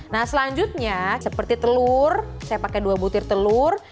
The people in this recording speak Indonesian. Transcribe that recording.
nah selanjutnya seperti telur saya pakai dua butir telur